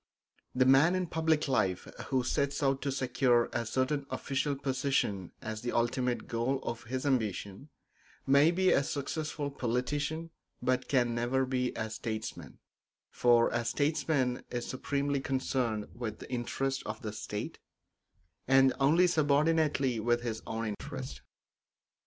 The man in public life who sets out to secure a certain official position as the ultimate goal of his ambition may be a successful politician but can never be a statesman; for a statesman is supremely concerned with the interests of the state, and only subordinately with his own interests.